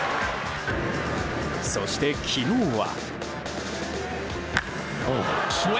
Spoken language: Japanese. そして、昨日は。